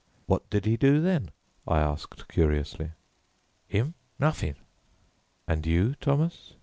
"What did he do then?" I asked curiously. "'Im? Nawthin'." "And you, Thomas?"